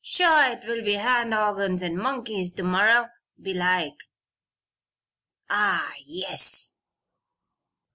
Sure, 'twill be hand organs an' moonkeys to morrer, belike. Ah, yes!"